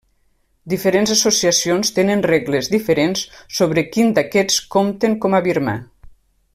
Diferents associacions tenen regles diferents sobre quin d'aquests compten com a Birmà.